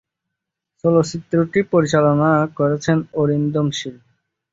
চলচ্চিত্রটি পরিচালনা করেছেন অরিন্দম শীল।